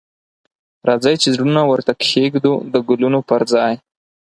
راځئ چې زړونه ورته کښیږدو د ګلونو پر ځای